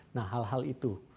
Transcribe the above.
nah hal hal itu